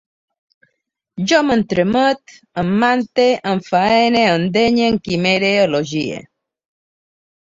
Jo m'entremet, emmante, enfaene, endenye, enquimere, elogie